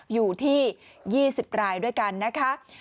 อยู่ที่๒๐รายด้วยกันนะคะ